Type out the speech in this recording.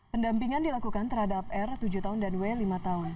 pendampingan dilakukan terhadap r tujuh tahun dan w lima tahun